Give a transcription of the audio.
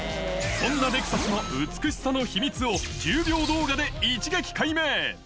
そんなレクサスの美しさの秘密を１０秒動画で一撃解明。